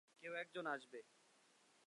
কেউ একজন আসবে।